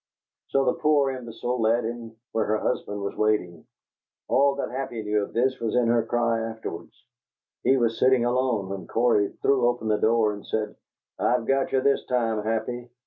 So the poor imbecile led him to where her husband was waiting. All that Happy knew of this was in her cry afterwards. He was sitting alone, when Cory threw open the door and said, 'I've got you this time, Happy!'